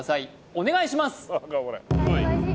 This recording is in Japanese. お願いします